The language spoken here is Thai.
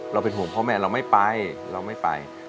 เราเป็นห่วงพ่อแม่เราไม่ไปเราไม่ไป